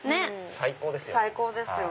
最高ですよね。